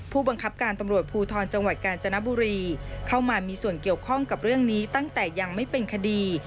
ผู้บังคับการตำรวจภูทรจังหวัดกาญจนบุรีเข้ามามีส่วนเกี่ยวข้องกับเรื่องนี้ตั้งแต่ยังไม่เป็นคดี